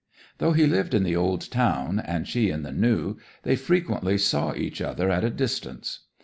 'Though he lived in the old town, and she in the new, they frequently saw each other at a distance.